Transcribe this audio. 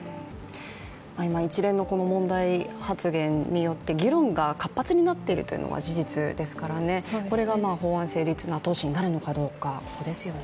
今一連のこの問題発言によって議論が活発になっているのが事実ですから、これが法案成立の後押しになるのかどうかですよね。